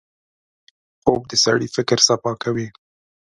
خوب د سړي فکر صفا کوي